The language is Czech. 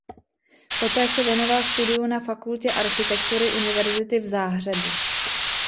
Poté se věnoval studiu na Fakultě architektury Univerzity v Záhřebu.